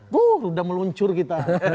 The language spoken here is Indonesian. wuh udah meluncur kita